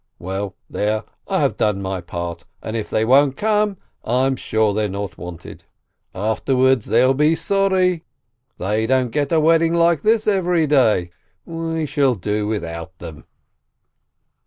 Well, there, I have done my part, and if they won't come, I'm sure they're not wanted; afterwards they'll be sorry; they don't get a wedding like this every day. We shall do without them."